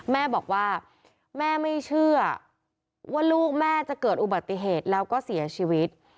แม่บอกว่าแม่ไม่เชื่อว่าลูกแม่จะเกิดอุบัติเหตุแล้วก็เสียชีวิต